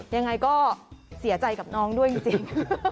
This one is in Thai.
ยังไงก็เสียใจกับน้องด้วยจริง